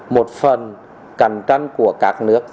một phần cạnh tranh của các nước